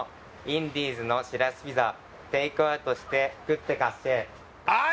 「インディーズのシラスピザ」「テイクアウトして食ってかっしぇー！」